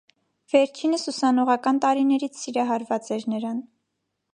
Վերջինս ուսանողական տարիներից սիրահարված էր նրան։